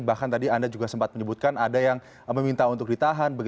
bahkan tadi anda juga sempat menyebutkan ada yang meminta untuk ditahan